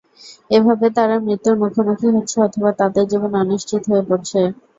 এভাবে তারা মৃত্যুর মুখোমুখি হচ্ছে অথবা তাদের জীবন অনিশ্চিত হয়ে পড়ছে।